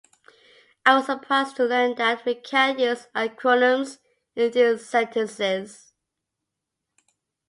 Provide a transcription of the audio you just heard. I was surprised to learn that we can't use acronyms in these sentences.